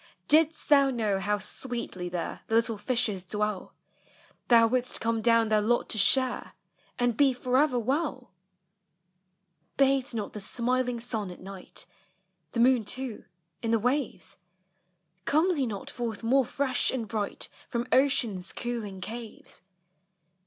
didst thou know how sweetly there The little fishes dwell, Thou wouldst come down their lot to share, And be forever well. FAIRIES: ELVES: SPRITES. 79 " Bathes not the smiling sun at night — The moon too — in the waves ? Comes lie not forth more fresh and bright From ocean's cooling caves